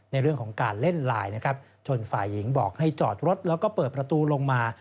ในเรื่องของการเล่นไลน์นะครับจนฝ่ายหญิงบอกให้จอดรถแล้วก็เปิดประตูลงมา